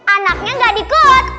anaknya gak dikutuk